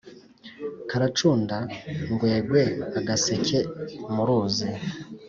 karacunda ngwegwe-agaseke mu ruzi.